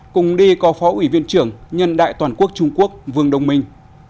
cùng đi có phó ủy viên trưởng nhân đại toàn quốc trung quốc vương đông minh